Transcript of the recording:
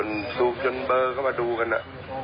มันมาซูมจนเบอก็มาดูกันอะ